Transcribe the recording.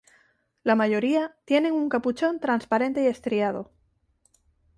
La mayoría tienen un capuchón transparente y estriado.